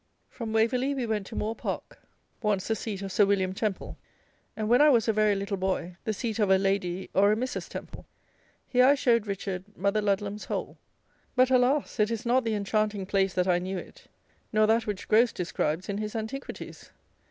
From Waverley we went to Moore Park, once the seat of Sir William Temple, and when I was a very little boy, the seat of a Lady, or a Mrs. Temple. Here I showed Richard Mother Ludlum's Hole; but, alas! it is not the enchanting place that I knew it, nor that which Grose describes in his Antiquities!